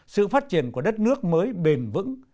sự phát triển của đất nước mới bền vững